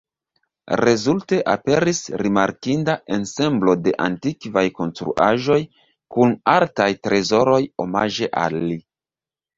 Rezulte, aperis rimarkinda ensemblo de antikvaj konstruaĵoj kun artaj trezoroj omaĝe al li.